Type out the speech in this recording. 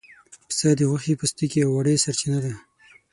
پسه د غوښې، پوستکي او وړۍ سرچینه ده.